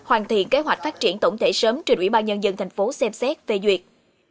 hoàn thiện kế hoạch phát triển tổng thể sớm trên ủy ban nhân dân tp xem xét về duyệt